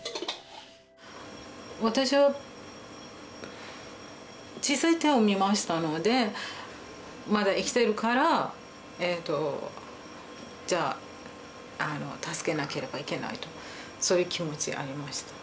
私は小さい手を見ましたのでまだ生きてるからえぇとじゃあ助けなければいけないとそういう気持ちありました。